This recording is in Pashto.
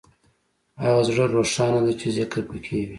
هغه زړه روښانه دی چې ذکر پکې وي.